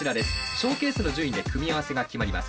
ショーケースの順位で組み合わせが決まります。